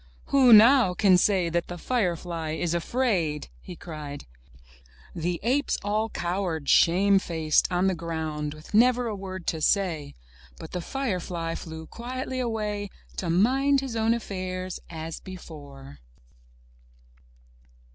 Who now can say that the firefly is afraid?*' he cried. The apes all cowered, shame faced, on the ground with never a word to say. But the firefly flew quietly away, to mind his own affairs as before.